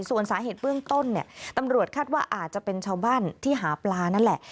ส่วนสาเหตุเบื้องต้นเนี่ยตำรวจคาดว่าอาจจะเป็นชาวบ้านที่หาปลานั่นแหละ